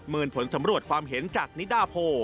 ผลสำรวจความเห็นจากนิดาโพ